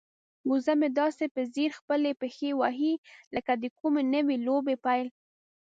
وزه مې داسې په ځیر خپلې پښې وهي لکه د کومې نوې لوبې پیل.